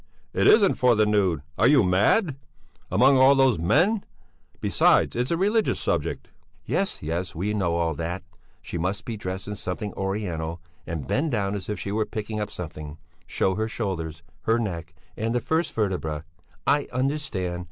"It isn't for the nude! Are you mad? Among all those men ... besides, it's a religious subject." "Yes, yes, we know all that. She must be dressed in something Oriental, and bend down as if she were picking up something, show her shoulders, her neck, and the first vertebra, I understand.